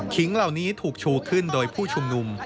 เหล่านี้ถูกชูขึ้นโดยผู้ชุมนุม